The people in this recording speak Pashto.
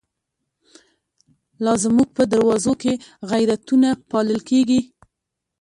لازموږ په دروازوکی، غیرتونه پالل کیږی